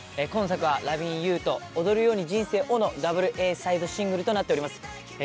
今作は『Ｌｏｖｉｎ’ｙｏｕ』と『踊るように人生を。』のダブルＡサイドシングルとなっております。